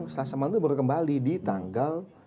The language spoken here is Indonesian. selasa malam itu baru kembali di tanggal